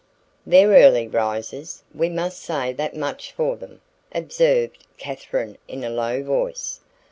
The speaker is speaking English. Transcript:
"They're early risers; we must say that much for them," observed Katherine in a low voice.